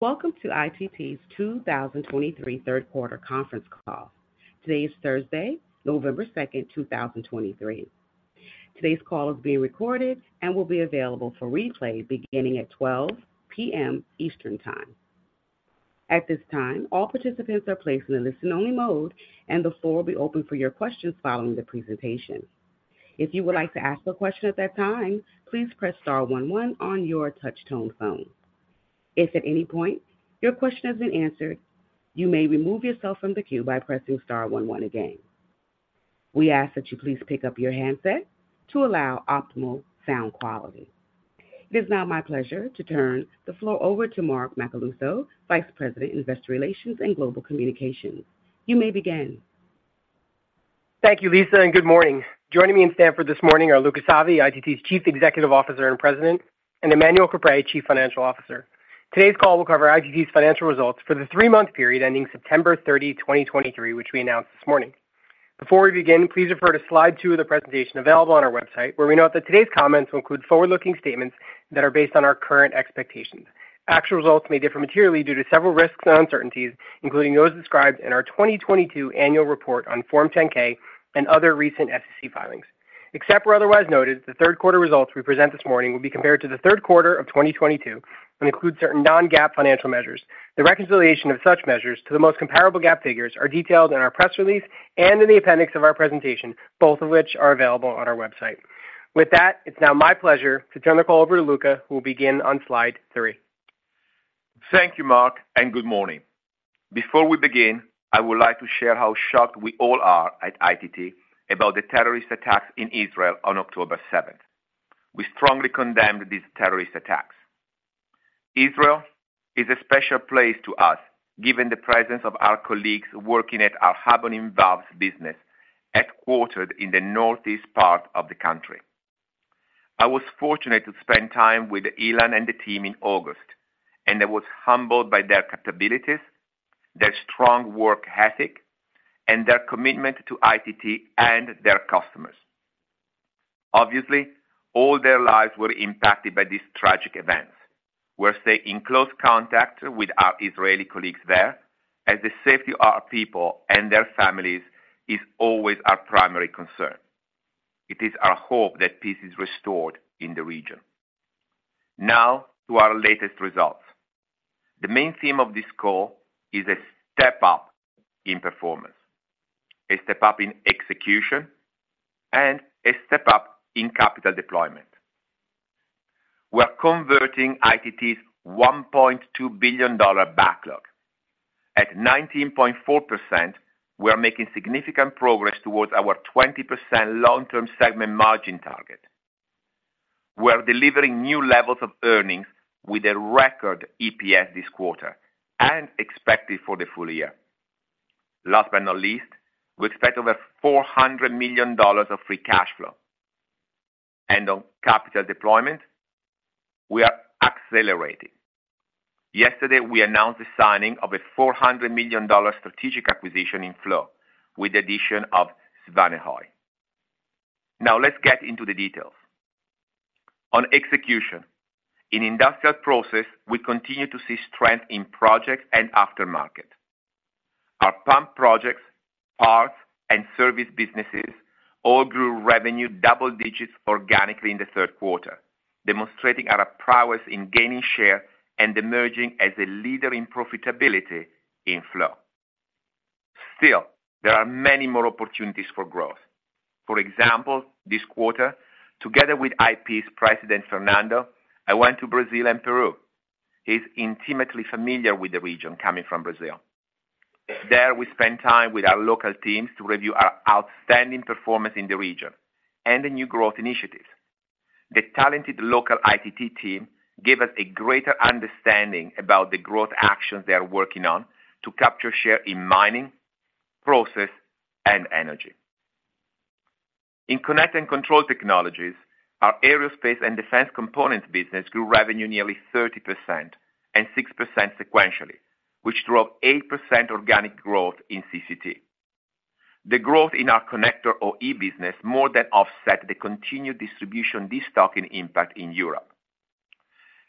Welcome to ITT's 2023 third quarter conference call. Today is Thursday, November 2, 2023. Today's call is being recorded and will be available for replay beginning at 12:00 P.M. Eastern Time. At this time, all participants are placed in a listen-only mode, and the floor will be open for your questions following the presentation. If you would like to ask a question at that time, please press star one one on your touch-tone phone. If at any point your question isn't answered, you may remove yourself from the queue by pressing star one one again. We ask that you please pick up your handset to allow optimal sound quality. It is now my pleasure to turn the floor over to Mark Macaluso, Vice President, Investor Relations and Global Communications. You may begin. Thank you, Lisa, and good morning. Joining me in Stamford this morning are Luca Savi, ITT's Chief Executive Officer and President, and Emmanuel Caprais, Chief Financial Officer. Today's call will cover ITT's financial results for the three-month period ending September 30, 2023, which we announced this morning. Before we begin, please refer to slide 2 of the presentation available on our website, where we note that today's comments will include forward-looking statements that are based on our current expectations. Actual results may differ materially due to several risks and uncertainties, including those described in our 2022 annual report on Form 10-K and other recent SEC filings. Except where otherwise noted, the third quarter results we present this morning will be compared to the third quarter of 2022 and include certain non-GAAP financial measures. The reconciliation of such measures to the most comparable GAAP figures are detailed in our press release and in the appendix of our presentation, both of which are available on our website. With that, it's now my pleasure to turn the call over to Luca, who will begin on slide 3. Thank you, Mark, and good morning. Before we begin, I would like to share how shocked we all are at ITT about the terrorist attacks in Israel on October 7. We strongly condemn these terrorist attacks. Israel is a special place to us, given the presence of our colleagues working at our Habonim Valves business, headquartered in the northeast part of the country. I was fortunate to spend time with Ilan and the team in August, and I was humbled by their capabilities, their strong work ethic, and their commitment to ITT and their customers. Obviously, all their lives were impacted by these tragic events. We're staying in close contact with our Israeli colleagues there, as the safety of our people and their families is always our primary concern. It is our hope that peace is restored in the region. Now to our latest results. The main theme of this call is a step up in performance, a step up in execution, and a step up in capital deployment. We are converting ITT's $1.2 billion backlog. At 19.4%, we are making significant progress towards our 20% long-term segment margin target. We are delivering new levels of earnings with a record EPS this quarter and expected for the full year. Last but not least, we expect over $400 million of free cash flow. On capital deployment, we are accelerating. Yesterday, we announced the signing of a $400 million strategic acquisition in Flow with the addition of Svanehøj. Now let's get into the details. On execution, in Industrial Process, we continue to see strength in projects and aftermarket. Our Pump projects, Parts, and Service businesses all grew revenue double digits organically in the third quarter, demonstrating our prowess in gaining share and emerging as a leader in profitability in Flow. Still, there are many more opportunities for growth. For example, this quarter, together with IP's President, Fernando, I went to Brazil and Peru. He's intimately familiar with the region coming from Brazil. There, we spent time with our local teams to review our outstanding performance in the region and the new growth initiatives. The talented local ITT team gave us a greater understanding about the growth actions they are working on to capture share in mining, process, and energy. In Connect and Control Technologies, our aerospace and defense components business grew revenue nearly 30% and 6% sequentially, which drove 8% organic growth in CCT. The growth in our connector OE business more than offset the continued distribution destocking impact in Europe.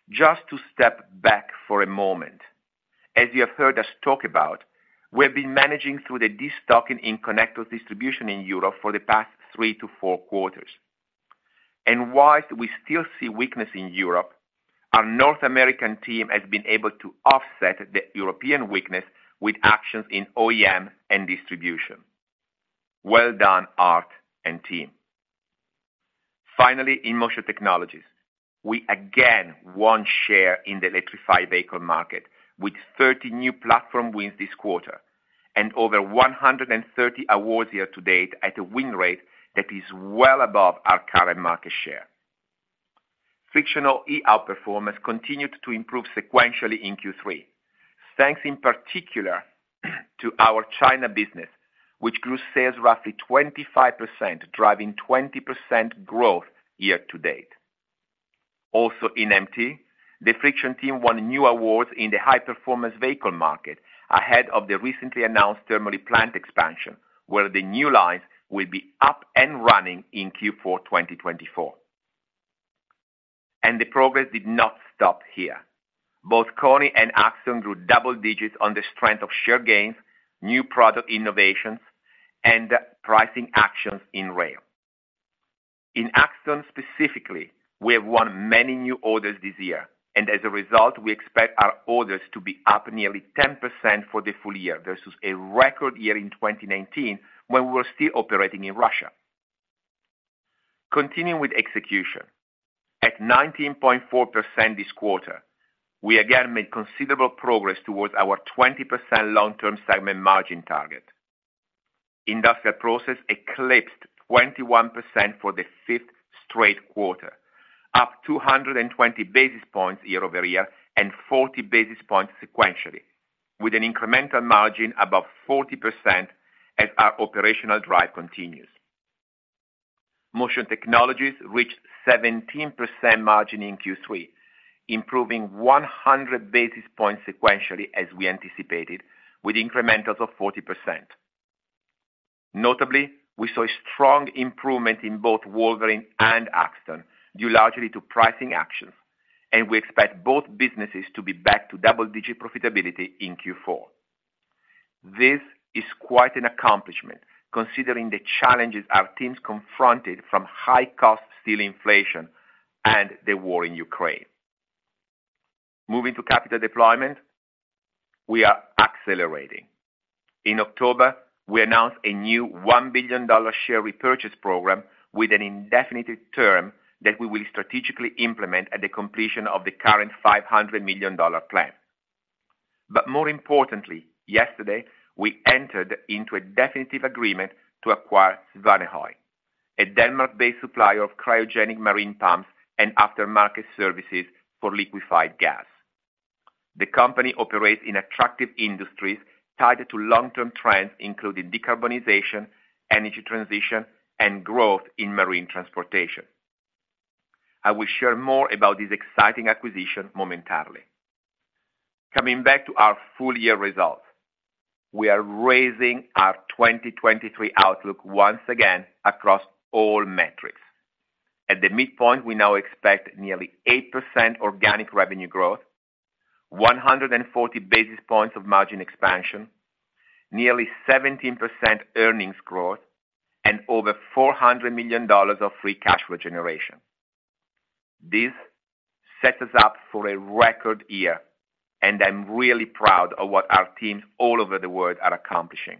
Just to step back for a moment, as you have heard us talk about, we've been managing through the destocking in connector distribution in Europe for the past 3-4 quarters. While we still see weakness in Europe, our North American team has been able to offset the European weakness with actions in OEM and distribution. Well done, Art and team. Finally, in Motion Technologies, we again won share in the electrified vehicle market with 30 new platform wins this quarter and over 130 awards year to date at a win rate that is well above our current market share. Friction OE outperformance continued to improve sequentially in Q3, thanks in particular to our China business, which grew sales roughly 25%, driving 20% growth year to date. Also in MT, the Friction team won new awards in the high-performance vehicle market ahead of the recently announced Termoli plant expansion, where the new lines will be up and running in Q4 2024. The progress did not stop here. Both Koni and Axtone grew double digits on the strength of share gains, new product innovations, and pricing actions in rail. In Axtone specifically, we have won many new orders this year, and as a result, we expect our orders to be up nearly 10% for the full year versus a record year in 2019, when we were still operating in Russia. Continuing with execution. At 19.4% this quarter, we again made considerable progress towards our 20% long-term segment margin target. Industrial Process eclipsed 21% for the fifth straight quarter, up 220 basis points year-over-year and 40 basis points sequentially, with an incremental margin above 40% as our operational drive continues. Motion Technologies reached 17% margin in Q3, improving 100 basis points sequentially as we anticipated, with incrementals of 40%. Notably, we saw a strong improvement in both Wolverine and Axtone, due largely to pricing actions, and we expect both businesses to be back to double-digit profitability in Q4. This is quite an accomplishment, considering the challenges our teams confronted from high cost steel inflation and the war in Ukraine. Moving to capital deployment, we are accelerating. In October, we announced a new $1 billion share repurchase program with an indefinite term that we will strategically implement at the completion of the current $500 million plan. But more importantly, yesterday, we entered into a definitive agreement to acquire Svanehøj, a Denmark-based supplier of cryogenic marine pumps and aftermarket services for liquefied gas. The company operates in attractive industries tied to long-term trends, including decarbonization, Energy Transition, and growth in marine transportation. I will share more about this exciting acquisition momentarily. Coming back to our full year results, we are raising our 2023 outlook once again across all metrics. At the midpoint, we now expect nearly 8% organic revenue growth, 140 basis points of margin expansion, nearly 17% earnings growth, and over $400 million of free cash flow generation. This sets us up for a record year, and I'm really proud of what our teams all over the world are accomplishing.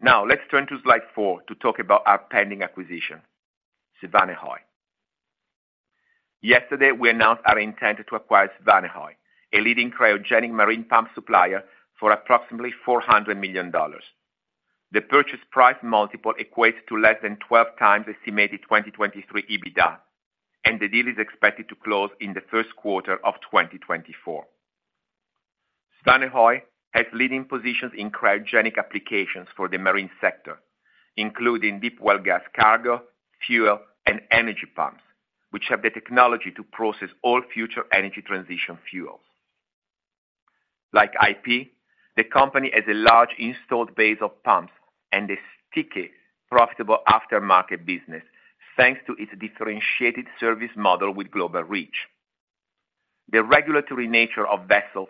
Now, let's turn to slide 4 to talk about our pending acquisition, Svanehøj. Yesterday, we announced our intent to acquire Svanehøj, a leading cryogenic marine pump supplier, for approximately $400 million. The purchase price multiple equates to less than 12x estimated 2023 EBITDA, and the deal is expected to close in the first quarter of 2024. Svanehøj has leading positions in cryogenic applications for the marine sector, including deepwell gas, cargo, fuel, and energy pumps, which have the technology to process all future Energy Transition fuels. Like IP, the company has a large installed base of pumps and a sticky, profitable aftermarket business, thanks to its differentiated service model with global reach. The regulatory nature of vessels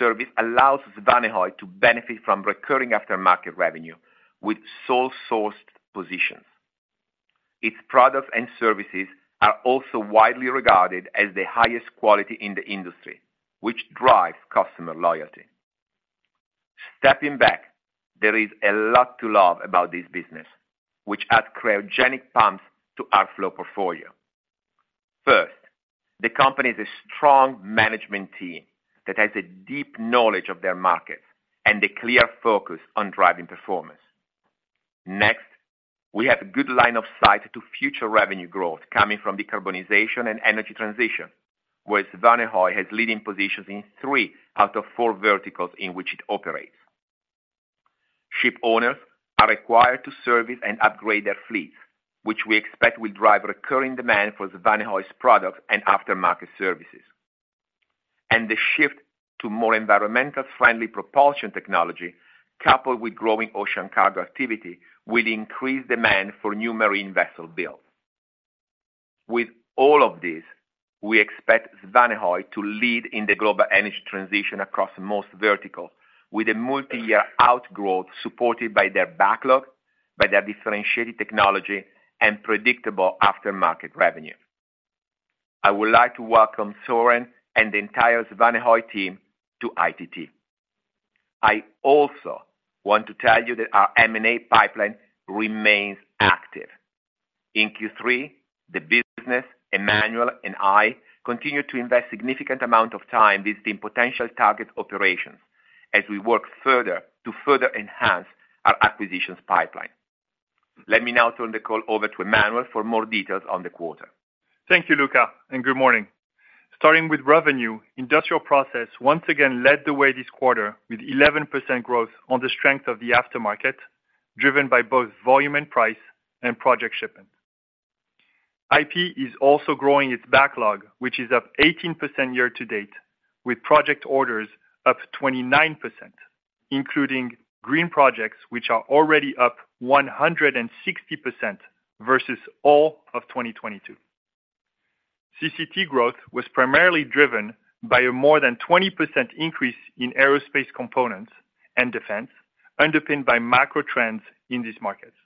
service allows Svanehøj to benefit from recurring aftermarket revenue with sole sourced positions. Its products and services are also widely regarded as the highest quality in the industry, which drives customer loyalty. Stepping back, there is a lot to love about this business, which adds cryogenic pumps to our flow portfolio. First, the company is a strong management team that has a deep knowledge of their markets and a clear focus on driving performance. Next, we have good line of sight to future revenue growth coming from decarbonization and Energy Transition, where Svanehøj has leading positions in three out of four verticals in which it operates. Ship owners are required to service and upgrade their fleets, which we expect will drive recurring demand for Svanehøj's products and aftermarket services. The shift to more environmentally friendly propulsion technology, coupled with growing ocean cargo activity, will increase demand for new marine vessel builds. With all of this, we expect Svanehøj to lead in the global Energy Transition across most verticals, with a multi-year outgrowth supported by their backlog, by their differentiated technology, and predictable aftermarket revenue. I would like to welcome Søren and the entire Svanehøj team to ITT. I also want to tell you that our M&A pipeline remains active. In Q3, the business, Emmanuel and I, continued to invest significant amount of time visiting potential target operations as we work further to further enhance our acquisitions pipeline. Let me now turn the call over to Emmanuel for more details on the quarter. Thank you, Luca, and good morning. Starting with revenue, Industrial Process once again led the way this quarter with 11% growth on the strength of the aftermarket, driven by both volume and price and project shipment. IP is also growing its backlog, which is up 18% year to date, with project orders up 29%. Including green projects, which are already up 160% versus all of 2022. CCT growth was primarily driven by a more than 20% increase in aerospace components and defense, underpinned by macro trends in these markets.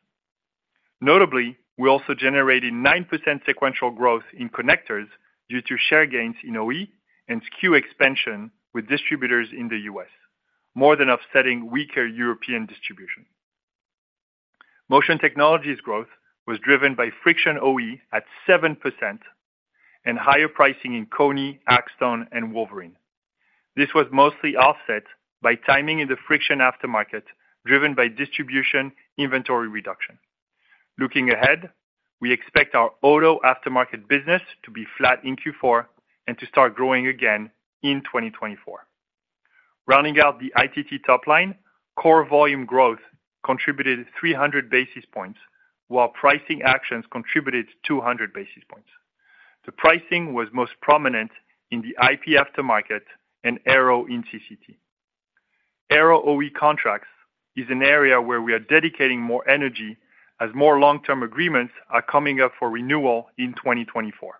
Notably, we also generated 9% sequential growth in connectors due to share gains in OE and SKU expansion with distributors in the U.S., more than offsetting weaker European distribution. Motion Technologies growth was driven by friction OE at 7% and higher pricing in Koni, Axtone, and Wolverine. This was mostly offset by timing in the friction aftermarket, driven by distribution inventory reduction. Looking ahead, we expect our Auto Aftermarket business to be flat in Q4 and to start growing again in 2024. Rounding out the ITT top line, core volume growth contributed 300 basis points, while pricing actions contributed 200 basis points. The pricing was most prominent in the IP aftermarket and Aero in CCT. Aero OE contracts is an area where we are dedicating more energy as more long-term agreements are coming up for renewal in 2024.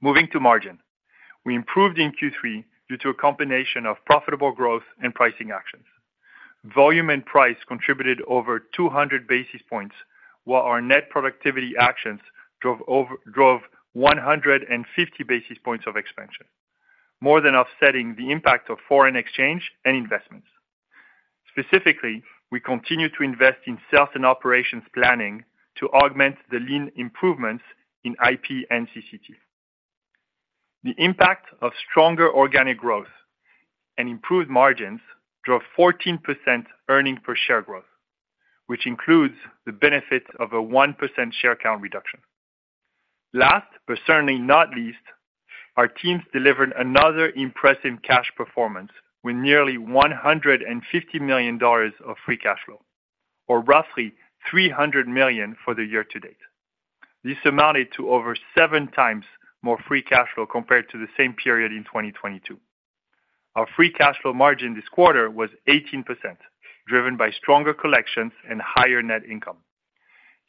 Moving to margin. We improved in Q3 due to a combination of profitable growth and pricing actions. Volume and price contributed over 200 basis points, while our net productivity actions drove over 150 basis points of expansion, more than offsetting the impact of foreign exchange and investments. Specifically, we continue to invest in sales and operations planning to augment the lean improvements in IP and CCT. The impact of stronger organic growth and improved margins drove 14% earnings per share growth, which includes the benefits of a 1% share count reduction. Last, but certainly not least, our teams delivered another impressive cash performance with nearly $150 million of free cash flow, or roughly $300 million for the year to date. This amounted to over 7x more free cash flow compared to the same period in 2022. Our free cash flow margin this quarter was 18%, driven by stronger collections and higher net income.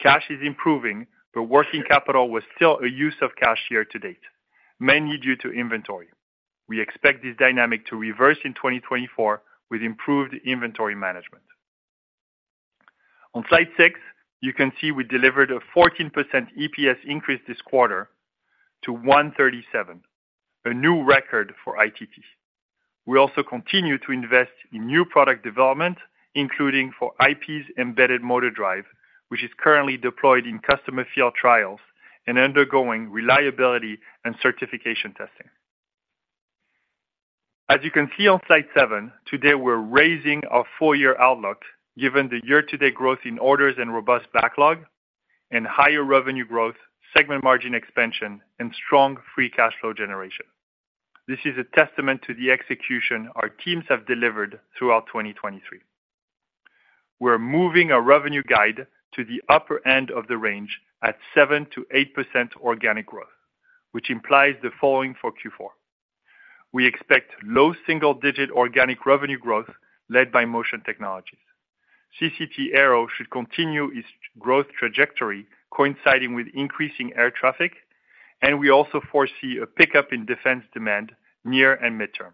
Cash is improving, but working capital was still a use of cash year to date, mainly due to inventory. We expect this dynamic to reverse in 2024 with improved inventory management. On slide six, you can see we delivered a 14% EPS increase this quarter to $1.37, a new record for ITT. We also continue to invest in new product development, including for IP's embedded motor drive, which is currently deployed in customer field trials and undergoing reliability and certification testing. As you can see on slide seven, today we're raising our full year outlook, given the year-to-date growth in orders and robust backlog and higher revenue growth, segment margin expansion, and strong free cash flow generation. This is a testament to the execution our teams have delivered throughout 2023. We're moving our revenue guide to the upper end of the range at 7%-8% organic growth, which implies the following for Q4: We expect low single-digit organic revenue growth led by motion technologies. CCT Aero should continue its growth trajectory, coinciding with increasing air traffic, and we also foresee a pickup in defense demand near and midterm.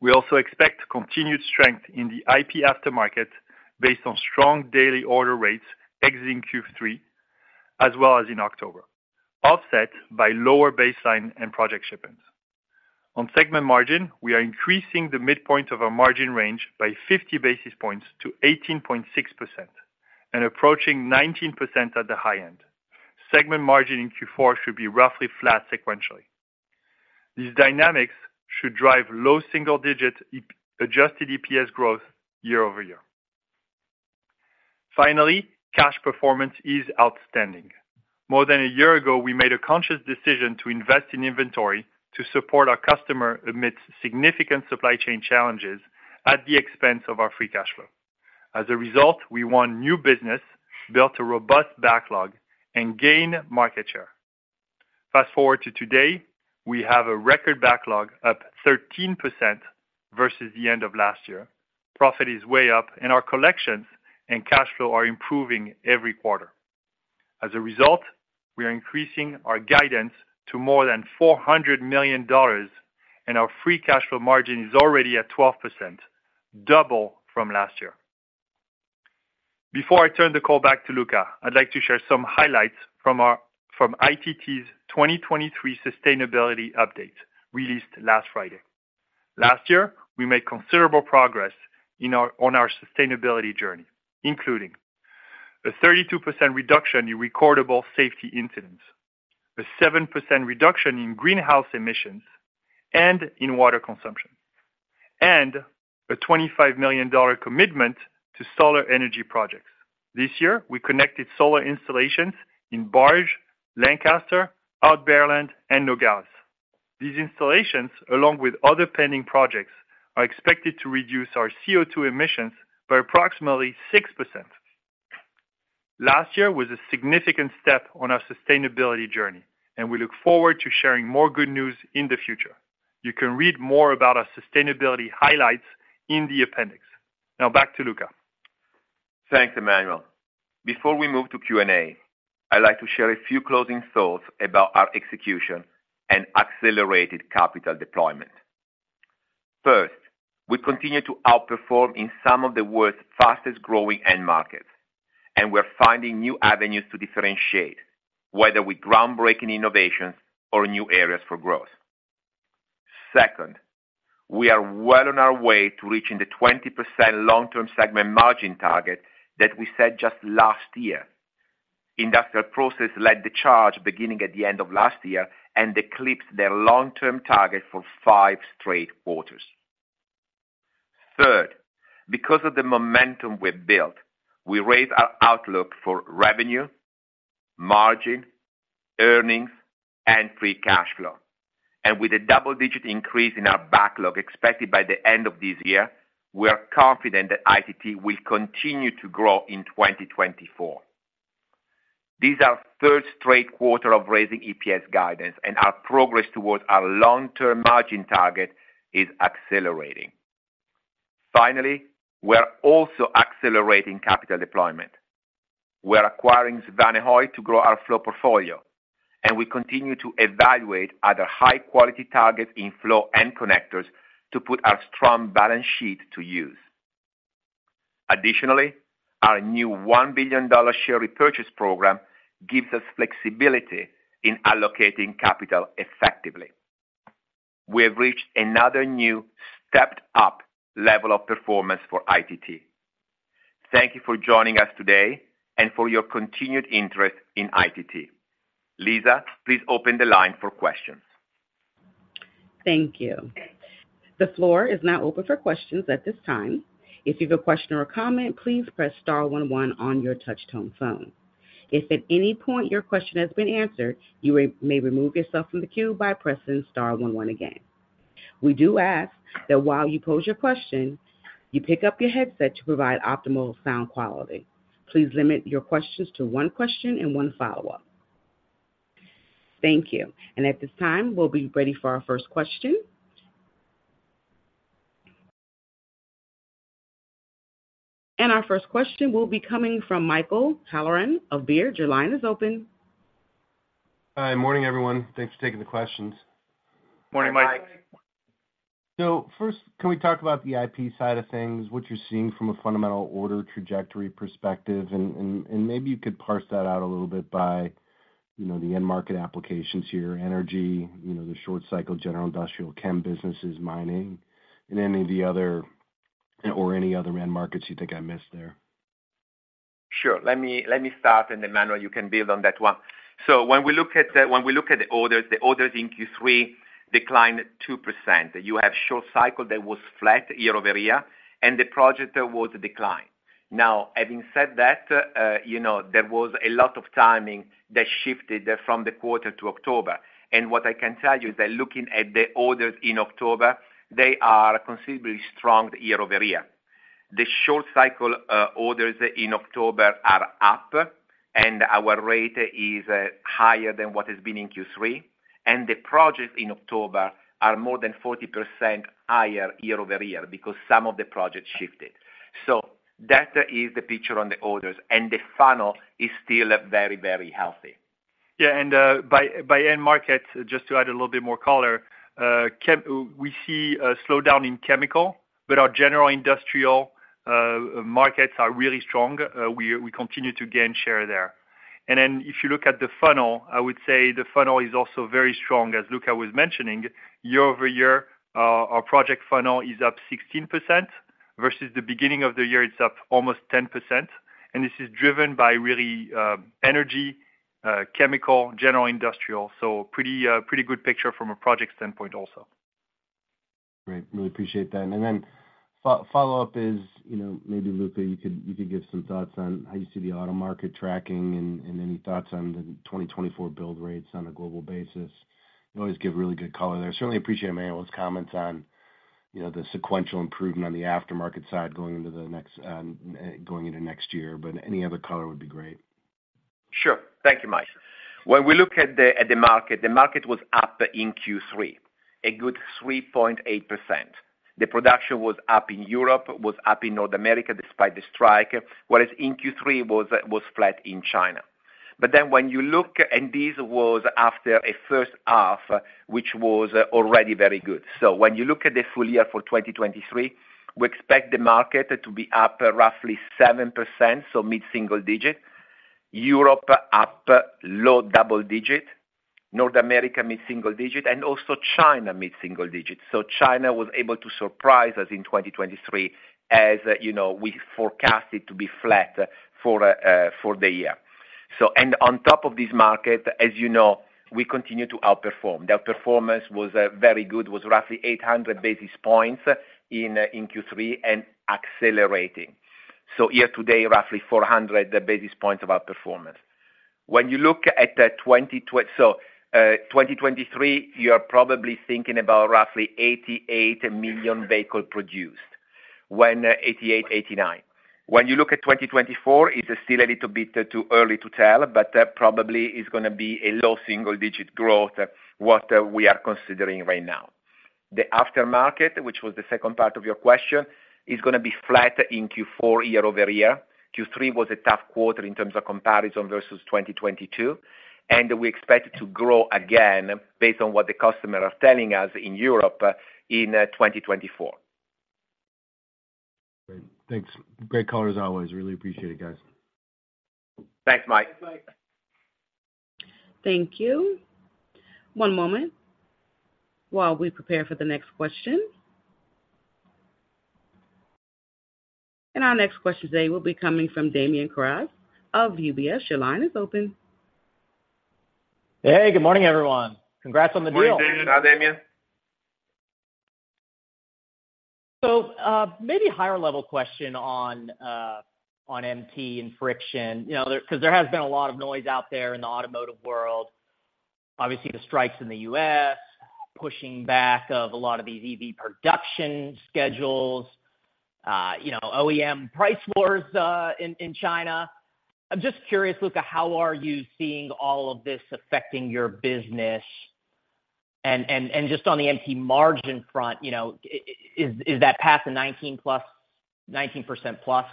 We also expect continued strength in the IP aftermarket based on strong daily order rates exiting Q3, as well as in October, offset by lower baseline and project shipments. On segment margin, we are increasing the midpoint of our margin range by 50 basis points to 18.6% and approaching 19% at the high end. Segment margin in Q4 should be roughly flat sequentially. These dynamics should drive low single-digit EPS-adjusted growth year-over-year. Finally, cash performance is outstanding. More than a year ago, we made a conscious decision to invest in inventory to support our customer amidst significant supply chain challenges at the expense of our free cash flow. As a result, we won new business, built a robust backlog, and gained market share. Fast-forward to today, we have a record backlog up 13% versus the end of last year. Profit is way up, and our collections and cash flow are improving every quarter. As a result, we are increasing our guidance to more than $400 million, and our free cash flow margin is already at 12%, double from last year. Before I turn the call back to Luca, I'd like to share some highlights from ITT's 2023 sustainability update, released last Friday. Last year, we made considerable progress on our sustainability journey, including a 32% reduction in recordable safety incidents, a 7% reduction in greenhouse emissions and in water consumption, and a $25 million commitment to solar energy projects. This year, we connected solar installations in Barge, Lancaster, Oud-Beijerland, and Nogales. These installations, along with other pending projects, are expected to reduce our CO2 emissions by approximately 6%....Last year was a significant step on our sustainability journey, and we look forward to sharing more good news in the future. You can read more about our sustainability highlights in the appendix. Now back to Luca. Thanks, Emmanuel. Before we move to Q&A, I'd like to share a few closing thoughts about our execution and accelerated capital deployment. First, we continue to outperform in some of the world's fastest-growing end markets, and we're finding new avenues to differentiate, whether with groundbreaking innovations or new areas for growth. Second, we are well on our way to reaching the 20% long-term segment margin target that we set just last year. Industrial Process led the charge beginning at the end of last year, and eclipsed their long-term target for five straight quarters. Third, because of the momentum we've built, we raised our outlook for revenue, margin, earnings, and free cash flow. And with a double-digit increase in our backlog expected by the end of this year, we are confident that ITT will continue to grow in 2024. This is our third straight quarter of raising EPS guidance, and our progress towards our long-term margin target is accelerating. Finally, we are also accelerating capital deployment. We're acquiring Svanehøj to grow our flow portfolio, and we continue to evaluate other high-quality targets in flow and connectors to put our strong balance sheet to use. Additionally, our new $1 billion share repurchase program gives us flexibility in allocating capital effectively. We have reached another new stepped-up level of performance for ITT. Thank you for joining us today and for your continued interest in ITT. Lisa, please open the line for questions. Thank you. The floor is now open for questions at this time. If you've a question or a comment, please press star one one on your touchtone phone. If at any point your question has been answered, you may remove yourself from the queue by pressing star one one again. We do ask that while you pose your question, you pick up your headset to provide optimal sound quality. Please limit your questions to one question and one follow-up. Thank you. At this time, we'll be ready for our first question. Our first question will be coming from Michael Halloran of Baird. Your line is open. Hi, morning, everyone. Thanks for taking the questions. Morning, Mike. So first, can we talk about the IP side of things, what you're seeing from a fundamental order trajectory perspective? And maybe you could parse that out a little bit by, you know, the end market applications here, energy, you know, the short cycle, General Industrial Chem businesses, Mining, and any of the other, or any other end markets you think I missed there? Sure. Let me start, and then, Emmanuel, you can build on that one. So when we look at the orders, the orders in Q3 declined 2%. You have short cycle that was flat year-over-year, and the project was declined. Now, having said that, you know, there was a lot of timing that shifted from the quarter to October. And what I can tell you is that looking at the orders in October, they are considerably strong year-over-year. The short cycle orders in October are up, and our rate is higher than what has been in Q3, and the projects in October are more than 40% higher year-over-year because some of the projects shifted. So that is the picture on the orders, and the funnel is still very, very healthy. Yeah, by end market, just to add a little bit more color, we see a slowdown in chemical, but our General Industrial markets are really strong. We continue to gain share there. And then if you look at the funnel, I would say the funnel is also very strong, as Luca was mentioning. Year-over-year, our project funnel is up 16%, versus the beginning of the year, it's up almost 10%, and this is driven by really energy, chemical, General Industrial. So pretty good picture from a project standpoint also. Great. Really appreciate that. And then follow-up is, you know, maybe, Luca, you could, you could give some thoughts on how you see the auto market tracking and any thoughts on the 2024 build rates on a global basis. You always give really good color there. Certainly appreciate Emmanuel's comments on, you know, the sequential improvement on the Aftermarket side going into the next, going into next year, but any other color would be great. Sure. Thank you, Mike. When we look at the market, the market was up in Q3, a good 3.8%. The production was up in Europe, was up in North America, despite the strike, whereas in Q3 was flat in China. But then when you look. And this was after a first half, which was already very good. So when you look at the full year for 2023, we expect the market to be up roughly 7%, so mid-single digit. Europe, up low double digit, North America, mid single digit, and also China, mid single digit. So China was able to surprise us in 2023, as you know, we forecasted to be flat for the year. So, and on top of this market, as you know, we continue to outperform. The outperformance was very good, was roughly 800 basis points in Q3 and accelerating. So year to date, roughly 400 basis points of outperformance. When you look at 2023, you are probably thinking about roughly 88 million vehicle produced, when 88, 89. When you look at 2024, it's still a little bit too early to tell, but probably it's gonna be a low single digit growth, what we are considering right now. The aftermarket, which was the second part of your question, is gonna be flat in Q4, year-over-year. Q3 was a tough quarter in terms of comparison versus 2022, and we expect it to grow again based on what the customer are telling us in Europe in 2024. Great. Thanks. Great call, as always. Really appreciate it, guys. Thanks, Mike. Thank you. One moment, while we prepare for the next question. Our next question today will be coming from Damian Karas of UBS. Your line is open. Hey, good morning, everyone. Congrats on the deal! Good morning, Damian. Hi, Damian. So, maybe higher level question on, on MT and Friction. You know, there, 'cause there has been a lot of noise out there in the automotive world. Obviously, the strikes in the U.S., pushing back of a lot of these EV production schedules, you know, OEM price wars, in, in China. I'm just curious, Luca, how are you seeing all of this affecting your business? And just on the MT margin front, you know, is that past the 19+, 19%+,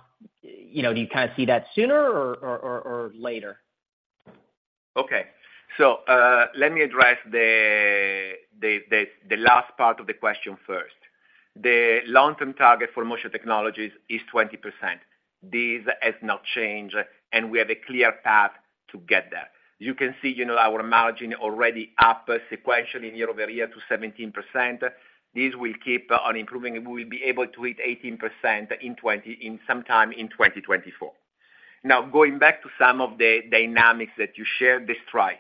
you know, do you kinda see that sooner or later? Okay. So, let me address the last part of the question first. The long-term target for Motion Technologies is 20%. This has not changed, and we have a clear path to get there. You can see, you know, our margin already up sequentially year-over-year to 17%. This will keep on improving, and we will be able to hit 18% in sometime in 2024. Now, going back to some of the dynamics that you shared, the strike.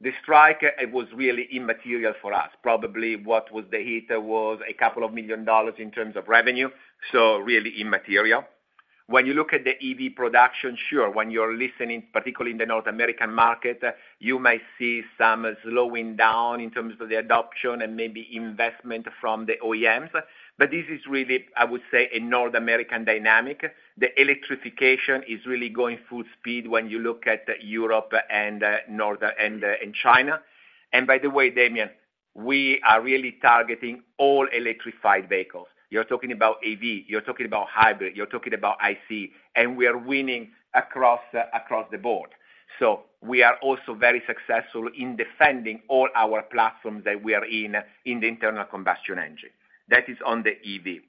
The strike, it was really immaterial for us. Probably what was the hit was $2 million in terms of revenue, so really immaterial. When you look at the EV production, sure, when you're listening, particularly in the North American market, you may see some slowing down in terms of the adoption and maybe investment from the OEMs, but this is really, I would say, a North American dynamic. The electrification is really going full speed when you look at Europe, North America, and China. And by the way, Damian, we are really targeting all electrified vehicles. You're talking about EV, you're talking about hybrid, you're talking about IC, and we are winning across the board. So we are also very successful in defending all our platforms that we are in the internal combustion engine. That is on the EV.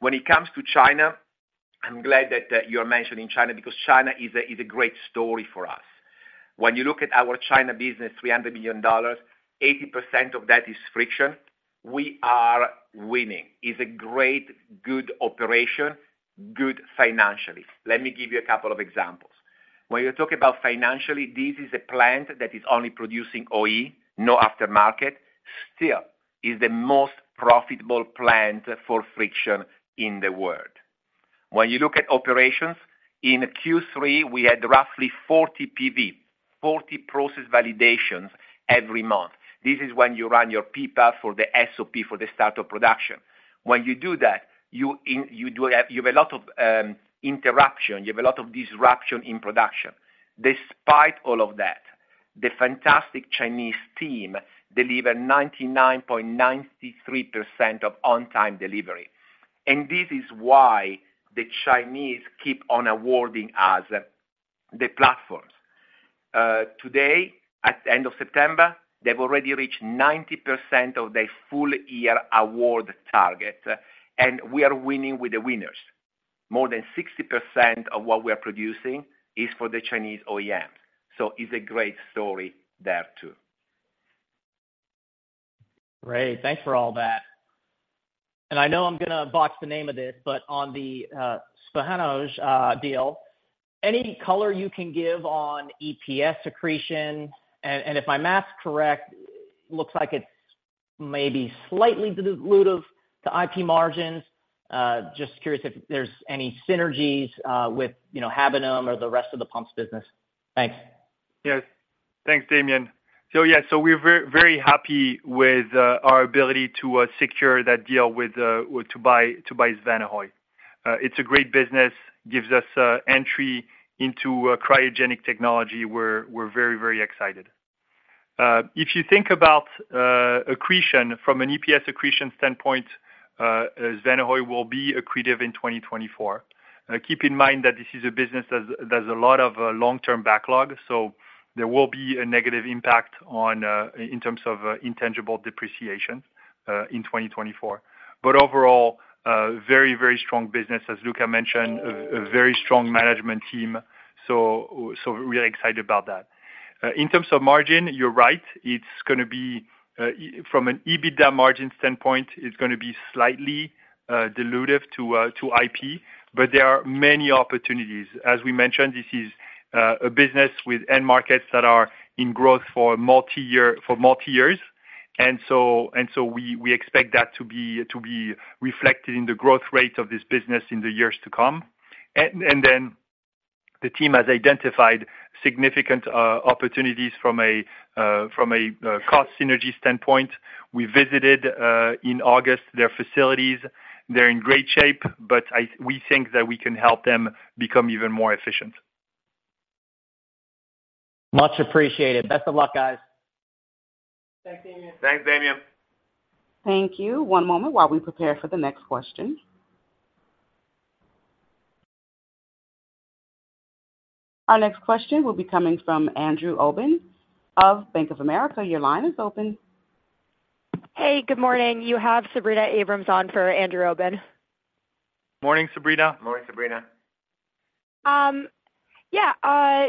When it comes to China, I'm glad that you are mentioning China, because China is a great story for us. When you look at our China business, $300 billion, 80% of that is friction. We are winning. It's a great, good operation, good financially. Let me give you a couple of examples. When you talk about financially, this is a plant that is only producing OE, no aftermarket. Still, is the most profitable plant for Friction in the world. When you look at operations, in Q3, we had roughly 40 PV, 40 process validations every month. This is when you run your PPAP for the SOP, for the start of production. When you do that, you do have, you have a lot of interruption, you have a lot of disruption in production. Despite all of that, the fantastic Chinese team deliver 99.93% of on-time delivery, and this is why the Chinese keep on awarding us the platforms. Today, at the end of September, they've already reached 90% of their full year award target, and we are winning with the winners. More than 60% of what we are producing is for the Chinese OEMs, so it's a great story there, too. Great! Thanks for all that. And I know I'm gonna box the name of this, but on the, Svanehøj, deal, any color you can give on EPS accretion? And, and if my math is correct, looks like it's maybe slightly dilutive to IP margins. Just curious if there's any synergies, with, you know, Habonim or the rest of the Pumps business. Thanks. Yes. Thanks, Damian. So yeah, so we're very happy with our ability to secure that deal with to buy Svanehøj. It's a great business, gives us entry into cryogenic technology. We're very excited. If you think about accretion from an EPS accretion standpoint, Svanehøj will be accretive in 2024. Keep in mind that this is a business that's there's a lot of long-term backlog, so there will be a negative impact on in terms of intangible depreciation in 2024. But overall, a very strong business, as Luca mentioned, a very strong management team, so we're excited about that. In terms of margin, you're right. It's gonna be from an EBITDA margin standpoint, it's gonna be slightly dilutive to IP, but there are many opportunities. As we mentioned, this is a business with end markets that are in growth for multi-year, for multi-years... and so, and so we expect that to be reflected in the growth rate of this business in the years to come. And then the team has identified significant opportunities from a from a cost synergy standpoint. We visited in August, their facilities. They're in great shape, but we think that we can help them become even more efficient. Much appreciated. Best of luck, guys. Thanks, Damien. Thanks, Damien. Thank you. One moment while we prepare for the next question. Our next question will be coming from Andrew Obin of Bank of America. Your line is open. Hey, good morning. You have Sabrina Abrams on for Andrew Obin. Morning, Sabrina. Morning, Sabrina. Yeah,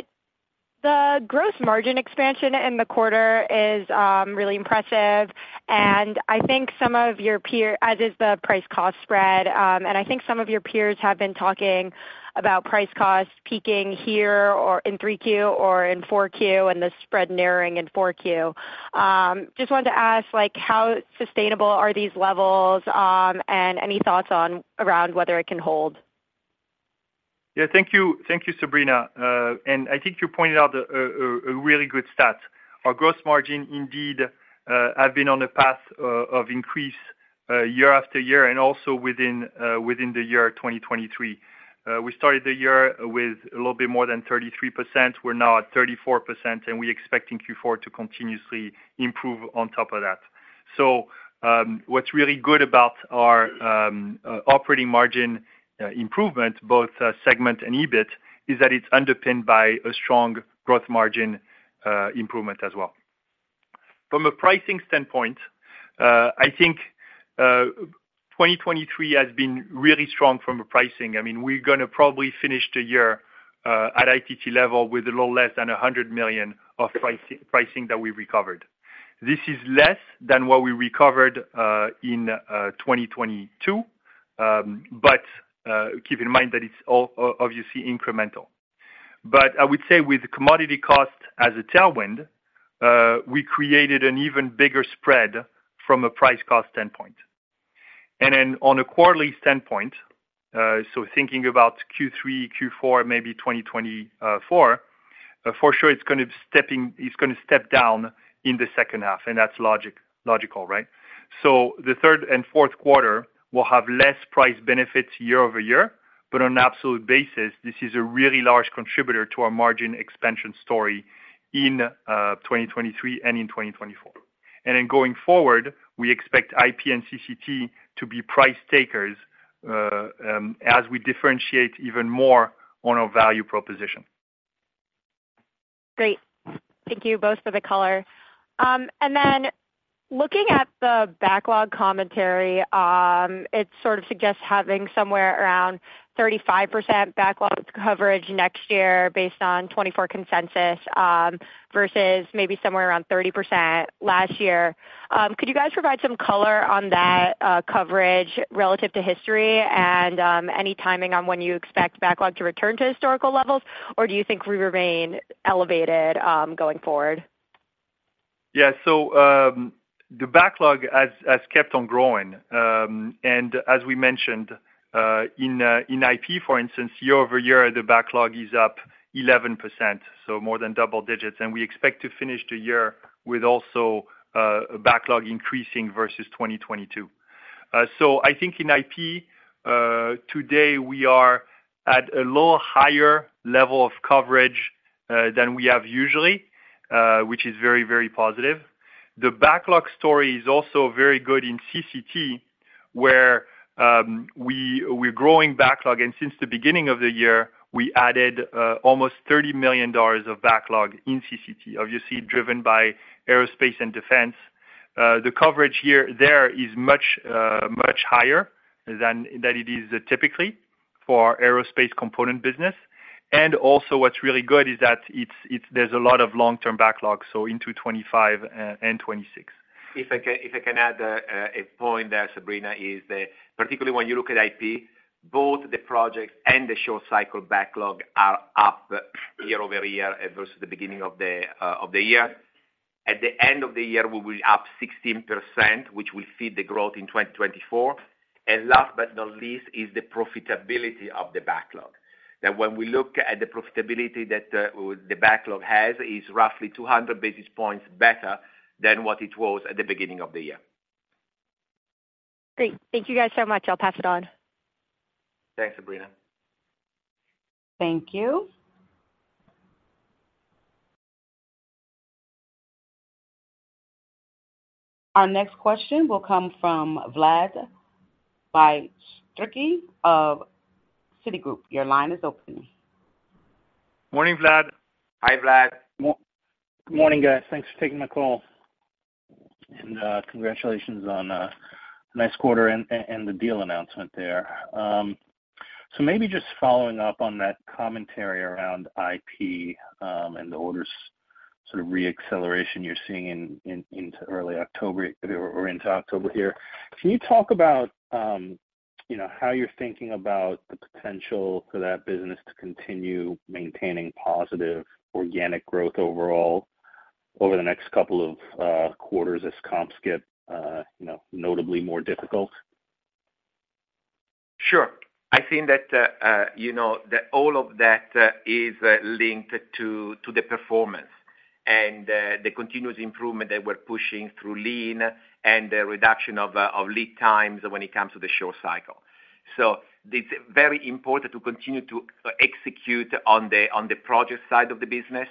the gross margin expansion in the quarter is really impressive, and I think some of your peer—as is the price cost spread. I think some of your peers have been talking about price cost peaking here or in 3Q or in 4Q, and the spread narrowing in 4Q. Just wanted to ask, like, how sustainable are these levels, and any thoughts around whether it can hold? Yeah, thank you. Thank you, Sabrina. And I think you pointed out a really good stat. Our gross margin indeed have been on a path of increase year after year and also within the year 2023. We started the year with a little bit more than 33%. We're now at 34%, and we expecting Q4 to continuously improve on top of that. So, what's really good about our operating margin improvement, both segment and EBIT, is that it's underpinned by a strong growth margin improvement as well. From a pricing standpoint, I think 2023 has been really strong from a pricing. I mean, we're gonna probably finish the year at ITT level with a little less than $100 million of pricing, pricing that we recovered. This is less than what we recovered in 2022. But keep in mind that it's all obviously incremental. But I would say with commodity cost as a tailwind, we created an even bigger spread from a price cost standpoint. And then on a quarterly standpoint, so thinking about Q3, Q4, maybe 2024, for sure it's gonna step down in the second half, and that's logical, right? So the third and fourth quarter will have less price benefits year over year, but on an absolute basis, this is a really large contributor to our margin expansion story in 2023 and in 2024. And then going forward, we expect IP and CCT to be price takers as we differentiate even more on our value proposition. Great. Thank you both for the color. And then looking at the backlog commentary, it sort of suggests having somewhere around 35% backlog coverage next year based on 2024 consensus, versus maybe somewhere around 30% last year. Could you guys provide some color on that, coverage relative to history and, any timing on when you expect backlog to return to historical levels, or do you think we remain elevated, going forward? Yeah. So, the backlog has kept on growing. And as we mentioned, in IP, for instance, year-over-year, the backlog is up 11%, so more than double digits. And we expect to finish the year with also a backlog increasing versus 2022. So I think in IP, today we are at a little higher level of coverage than we have usually, which is very, very positive. The backlog story is also very good in CCT, where we're growing backlog, and since the beginning of the year, we added almost $30 million of backlog in CCT, obviously driven by aerospace and defense. The coverage here, there is much higher than it is typically for our Aerospace component business. Also, what's really good is that it's, there's a lot of long-term backlogs, so into 2025 and 2026. If I can, if I can add, a point there, Sabrina, is that particularly when you look at IP, both the projects and the short cycle backlog are up year-over-year versus the beginning of the year. At the end of the year, we will be up 16%, which will feed the growth in 2024. And last but not least, is the profitability of the backlog. That when we look at the profitability that the backlog has, is roughly 200 basis points better than what it was at the beginning of the year. Great. Thank you guys so much. I'll pass it on. Thanks, Sabrina. Thank you. Our next question will come from Vlad Bystricky of Citigroup. Your line is open. Morning, Vlad. Hi, Vlad. Good morning, guys. Thanks for taking my call. And congratulations on a nice quarter and the deal announcement there. So maybe just following up on that commentary around IP and the orders sort of re-acceleration you're seeing into early October, we're into October here. Can you talk about you know, how you're thinking about the potential for that business to continue maintaining positive organic growth overall over the next couple of quarters as comps get you know, notably more difficult? Sure. I think that, you know, that all of that is linked to the performance and the continuous improvement that we're pushing through lean and the reduction of lead times when it comes to the short cycle. So it's very important to continue to execute on the project side of the business.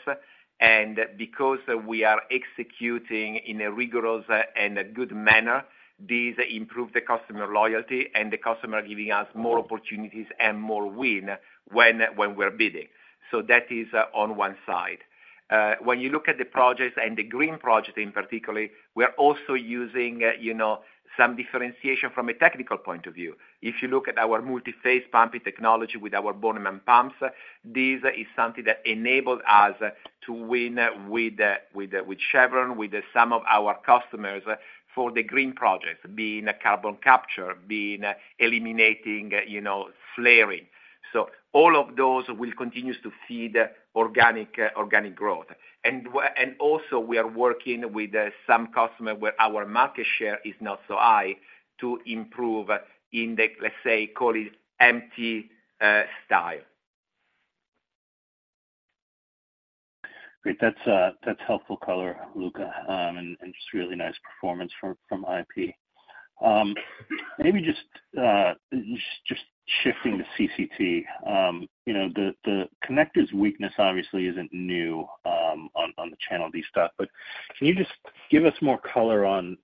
And because we are executing in a rigorous and a good manner, this improve the customer loyalty and the customer giving us more opportunities and more win when we're bidding. So that is on one side. When you look at the projects and the green projects in particular, we are also using, you know, some differentiation from a technical point of view. If you look at our multi-phase pumping technology with our Bornemann pumps, this is something that enabled us to win with Chevron, with some of our customers, for the green projects, be in carbon capture, be in eliminating, you know, flaring. So all of those will continue to feed organic growth. And also, we are working with some customer where our market share is not so high, to improve in the, let's say, call it MT style. Great. That's helpful color, Luca, and just really nice performance from IP. Maybe just shifting to CCT. You know, the connectors weakness obviously isn't new, on the channel destock, but can you just give us more color on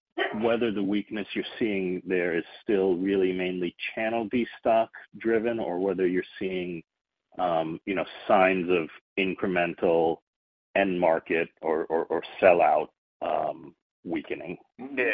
whether the weakness you're seeing there is still really mainly channel destock driven, or whether you're seeing, you know, signs of incremental end market or sellout weakening? Yeah.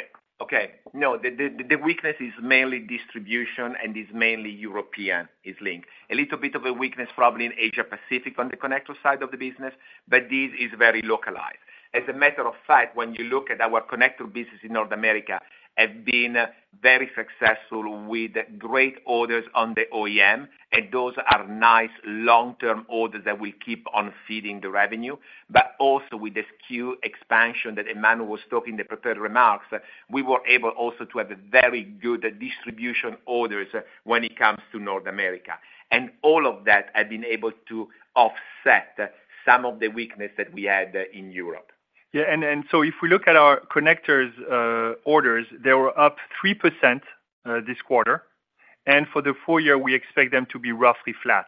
Okay. No, the weakness is mainly distribution and is mainly European, is linked. A little bit of a weakness probably in Asia Pacific, on the connector side of the business, but this is very localized. As a matter of fact, when you look at our connector business in North America, have been very successful with great orders on the OEM, and those are nice long-term orders that will keep on feeding the revenue. But also with the SKU expansion that Emmanuel was talking in the prepared remarks, we were able also to have a very good distribution orders when it comes to North America. And all of that has been able to offset some of the weakness that we had in Europe. Yeah, and so if we look at our connectors orders, they were up 3%, this quarter, and for the full year, we expect them to be roughly flat.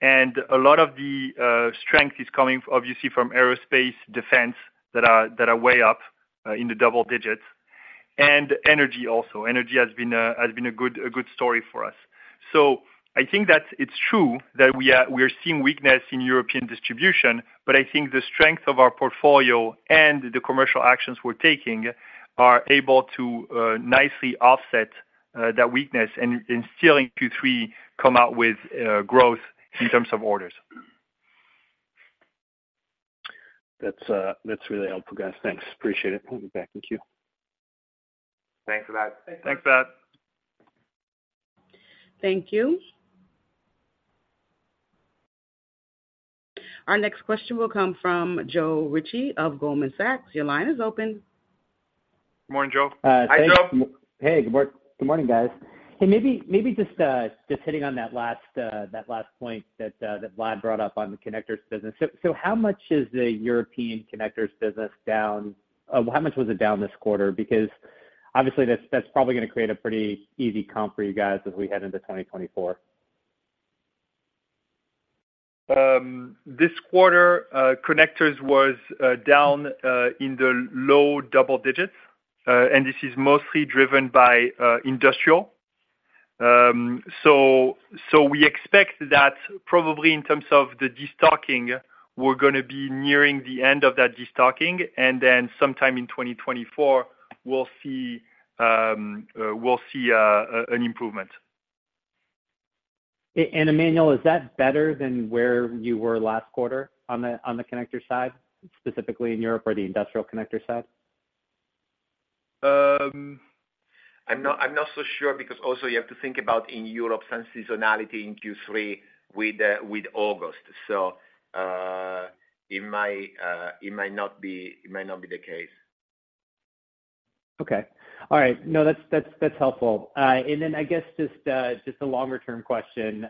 And a lot of the strength is coming obviously from Aerospace & Defense, that are way up in the double digits. And Energy also. Energy has been a good story for us. So I think that it's true that we are seeing weakness in European distribution, but I think the strength of our portfolio and the commercial actions we're taking are able to nicely offset that weakness and still in Q3, come out with growth in terms of orders. That's, that's really helpful, guys. Thanks. Appreciate it. Thank you. Thanks, Vlad. Thanks, Vlad. Thank you. Our next question will come from Joe Ritchie of Goldman Sachs. Your line is open. Morning, Joe. Hi, Joe. Hey, good morning, guys. Hey, maybe just hitting on that last point that Vlad brought up on the connectors business. So how much is the European connectors business down? How much was it down this quarter? Because obviously, that's probably gonna create a pretty easy comp for you guys as we head into 2024. This quarter, connectors was down in the low double digits. This is mostly driven by industrial. So we expect that probably in terms of the destocking, we're gonna be nearing the end of that destocking, and then sometime in 2024, we'll see, we'll see an improvement. And Emmanuel, is that better than where you were last quarter on the connector side, specifically in Europe or the industrial connector side? I'm not so sure, because also you have to think about in Europe some seasonality in Q3 with August. So, it might not be the case. Okay. All right. No, that's, that's, that's helpful. And then I guess just a longer-term question.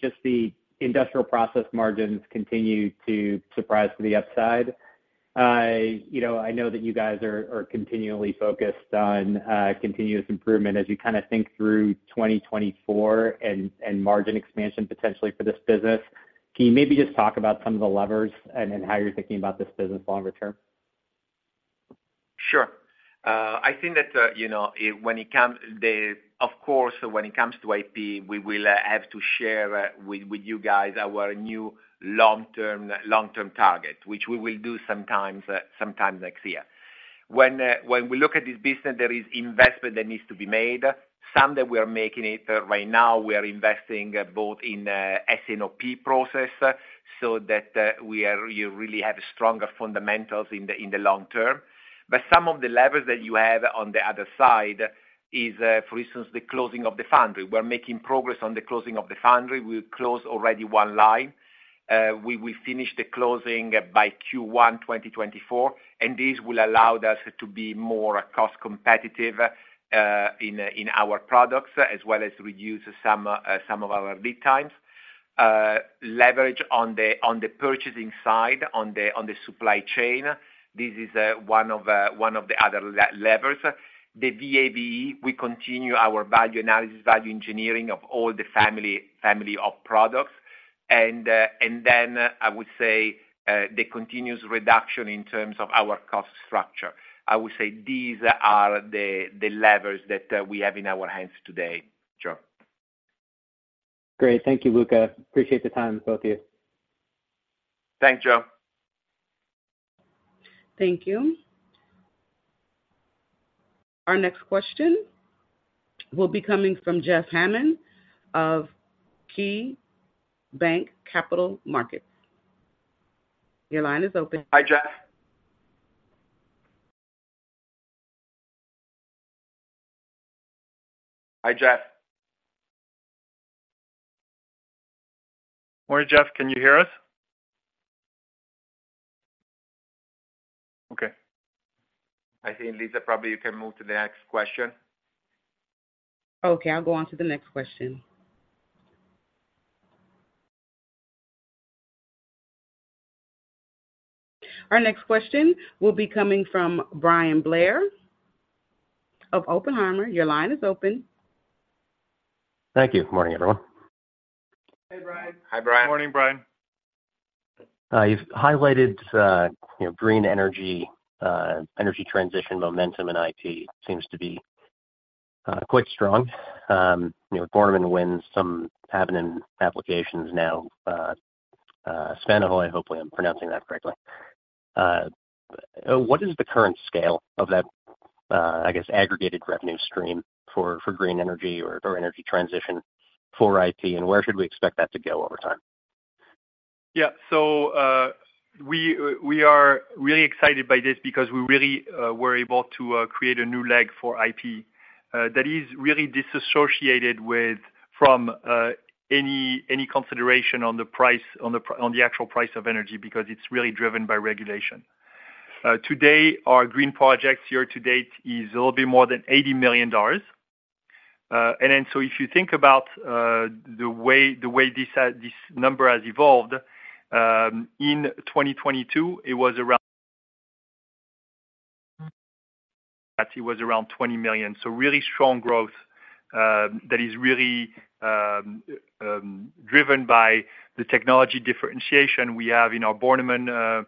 Just the Industrial Process margins continue to surprise to the upside. You know, I know that you guys are continually focused on continuous improvement as you kinda think through 2024 and margin expansion potentially for this business. Can you maybe just talk about some of the levers and then how you're thinking about this business longer term? Sure. I think that, you know, of course, when it comes to IP, we will have to share with, with you guys our new long-term, long-term target, which we will do sometime next year. When we look at this business, there is investment that needs to be made, some that we are making it. Right now, we are investing both in S&OP process, so that we really have stronger fundamentals in the, in the long term. But some of the levers that you have on the other side is, for instance, the closing of the foundry. We're making progress on the closing of the foundry. We've closed already one line. We will finish the closing by Q1 2024, and this will allow us to be more cost competitive in our products, as well as reduce some of our lead times. Leverage on the purchasing side, on the supply chain. This is one of the other levers. The VAVE, we continue our value analysis, value engineering of all the family of products. And then I would say the continuous reduction in terms of our cost structure. I would say these are the levers that we have in our hands today, Joe. Great. Thank you, Luca. Appreciate the time, both of you. Thanks, Joe. Thank you. Our next question will be coming from Jeff Hammond of KeyBanc Capital Markets. Your line is open. Hi, Jeff. Hi, Jeff. Morning, Jeff, can you hear us? Okay. I think, Lisa, probably you can move to the next question. Okay, I'll go on to the next question. Our next question will be coming from Bryan Blair of Oppenheimer. Your line is open. Thank you. Morning, everyone. Hey, Bryan. Hi, Bryan. Morning, Bryan. You've highlighted, you know, Green Energy, Energy Transition momentum in IP seems to be quite strong. You know, Bornemann wins some Habonim applications now, Svanehøj, hopefully, I'm pronouncing that correctly. What is the current scale of that, I guess, aggregated revenue stream for Green Energy or Energy Transition for IP? And where should we expect that to go over time? Yeah. So, we are really excited by this because we really were able to create a new leg for IP that is really disassociated with, from, any consideration on the price, on the actual price of energy, because it's really driven by regulation. Today, our green projects year to date is a little bit more than $80 million. And then, so if you think about the way this has, this number has evolved, in 2022, it was around $20 million. So really strong growth that is really driven by the technology differentiation we have in our Bornemann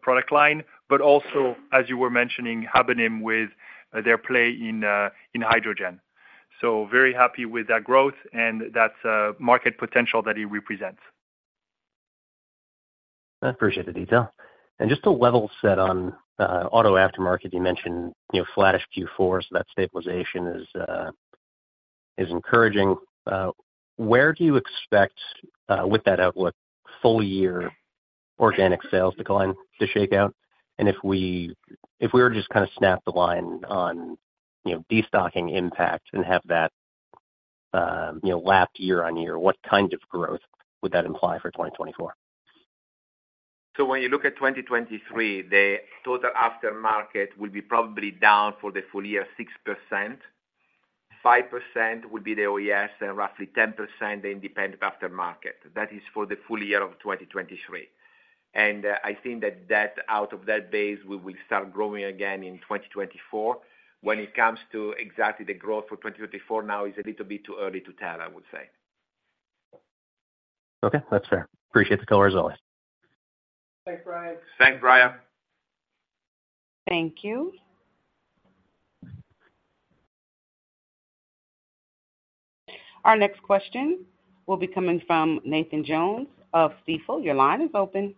product line, but also, as you were mentioning, Habonim with their play in, in hydrogen. So very happy with that growth and that market potential that it represents. I appreciate the detail. Just to level set on Auto Aftermarket, you mentioned, you know, flattish Q4, so that stabilization is encouraging. Where do you expect, with that outlook, full year organic sales decline to shake out? If we were to just kind of snap the line on, you know, destocking impact and have that, you know, lapped year-on-year, what kind of growth would that imply for 2024? So when you look at 2023, the Total Aftermarket will be probably down for the full year, 6%. Five percent would be the OES, and roughly 10% Independent Aftermarket. That is for the full year of 2023. And, I think that that out of that base, we will start growing again in 2024. When it comes to exactly the growth for 2024, now is a little bit too early to tell, I would say. Okay, that's fair. Appreciate the color, as always. Thanks, Bryan. Thanks, Bryan. Thank you. Our next question will be coming from Nathan Jones of Stifel. Your line is open.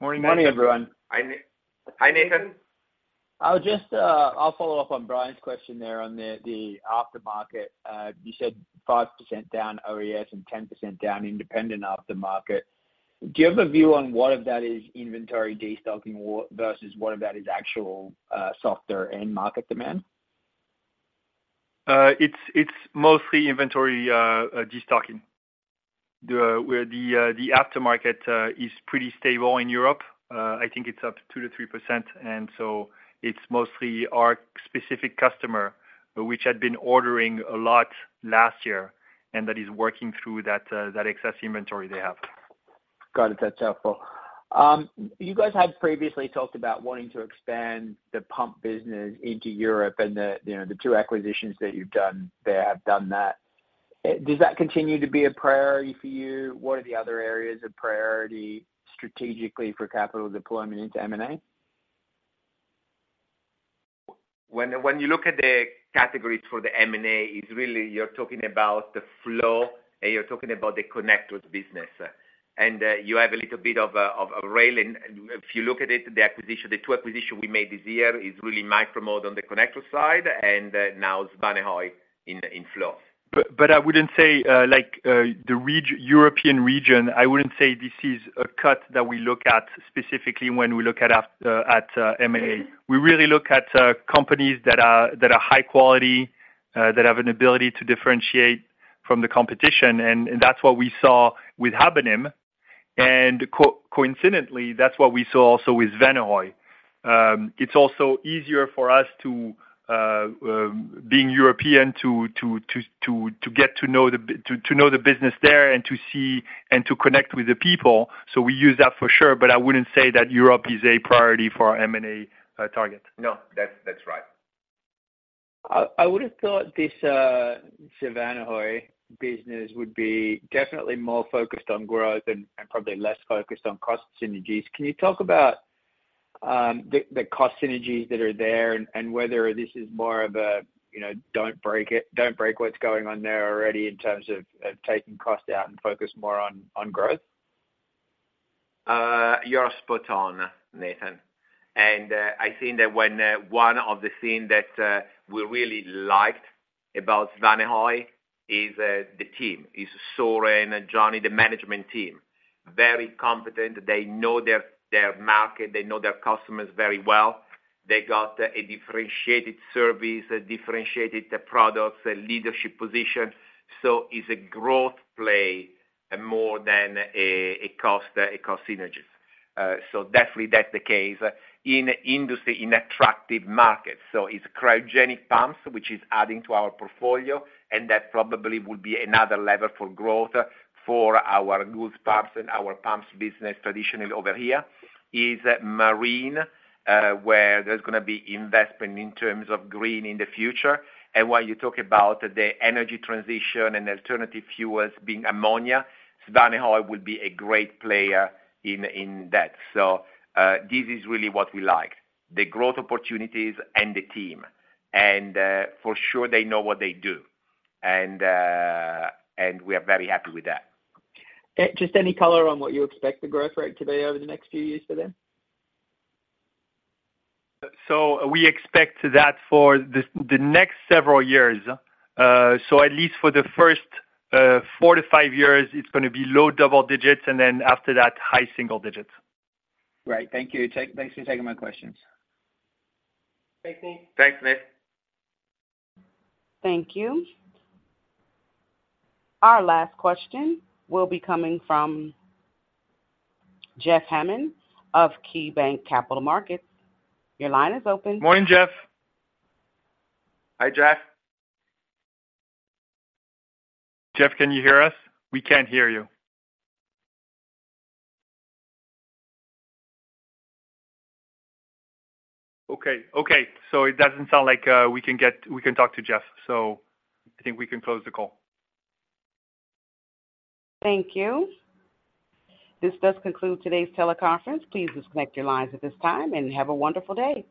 Morning, Nathan. Morning, everyone. Hi, Nathan. I'll just, I'll follow up on Bryan's question there on the Aftermarket. You said 5% down OES and 10% down Independent Aftermarket. Do you have a view on what of that is inventory destocking versus what of that is actual softer end market demand? It's mostly inventory destocking. The Aftermarket is pretty stable in Europe. I think it's up 2%-3%, and so it's mostly our specific customer, which had been ordering a lot last year, and that is working through that excess inventory they have. Got it. That's helpful. You guys had previously talked about wanting to expand the Pump business into Europe and the, you know, the two acquisitions that you've done there have done that. Does that continue to be a priority for you? What are the other areas of priority strategically for capital deployment into M&A?... When, when you look at the categories for the M&A, it's really you're talking about the flow, and you're talking about the connectors business. And you have a little bit of a railing. If you look at it, the acquisition, the 2 acquisition we made this year is really Micro-Mode on the connector side, and now is Svanehøj in flow. But I wouldn't say, like, the European region, I wouldn't say this is a cut that we look at specifically when we look at M&A. We really look at companies that are, that are high quality, that have an ability to differentiate from the competition, and that's what we saw with Habonim. And coincidentally, that's what we saw also with Svanehøj. It's also easier for us to, being European to get to know the business there and to see and to connect with the people. So we use that for sure, but I wouldn't say that Europe is a priority for our M&A target. No, that's, that's right. I would have thought this Svanehøj business would be definitely more focused on growth and probably less focused on cost synergies. Can you talk about the cost synergies that are there and whether this is more of a, you know, don't break what's going on there already in terms of taking cost out and focus more on growth? You're spot on, Nathan. And, I think that when, one of the thing that, we really liked about Svanehøj is, the team, is Søren and Johnny, the management team. Very competent. They know their market. They know their customers very well. They got a differentiated service, a differentiated products, a leadership position. So it's a growth play more than a cost synergies. So definitely that's the case. In industry, in attractive markets, so it's cryogenic pumps, which is adding to our portfolio, and that probably would be another lever for growth for our Goulds Pumps and our Pumps business traditionally over here, is Marine, where there's gonna be investment in terms of green in the future. While you talk about the Energy Transition and alternative fuels being ammonia, Svanehøj will be a great player in that. So, this is really what we like, the growth opportunities and the team. For sure, they know what they do. And we are very happy with that. Just any color on what you expect the growth rate to be over the next few years for them? So we expect that for the next several years. So at least for the first 4-5 years, it's gonna be low double digits, and then after that, high single digits. Great. Thank you. Thanks for taking my questions. Thank you. Thanks, Nate. Thank you. Our last question will be coming from Jeff Hammond of KeyBanc Capital Markets. Your line is open. Morning, Jeff. Hi, Jeff. Jeff, can you hear us? We can't hear you. Okay, okay, so it doesn't sound like we can talk to Jeff, so I think we can close the call. Thank you. This does conclude today's teleconference. Please disconnect your lines at this time, and have a wonderful day!